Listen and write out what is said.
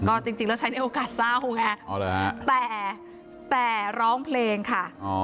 ก็จริงแล้วใช้ในโอกาสเศร้าไงแต่แต่ร้องเพลงค่ะ